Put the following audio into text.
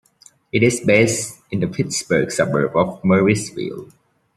It is based in the Pittsburgh suburb of Murrysville.